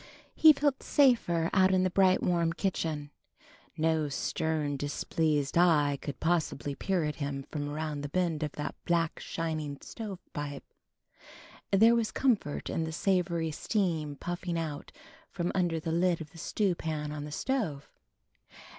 He felt safer out in the bright warm kitchen. No stern displeased eye could possibly peer at him around the bend of that black shining stove pipe. There was comfort in the savory steam puffing out from under the lid of the stew pan on the stove.